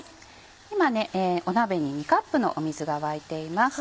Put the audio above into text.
今鍋に２カップの水が沸いています。